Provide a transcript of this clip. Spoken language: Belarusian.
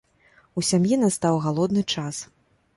У сям'і настаў галодны час.